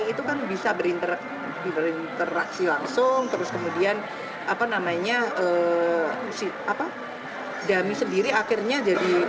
itu kan bisa berinteraksi langsung terus kemudian apa namanya dami sendiri akhirnya jadi